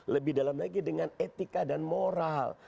lebih dalam lagi dengan etika dan moral